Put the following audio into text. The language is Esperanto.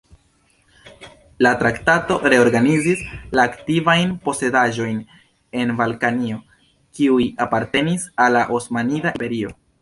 La traktato reorganizis la antikvajn posedaĵojn en Balkanio kiuj apartenis al la Osmanida Imperio.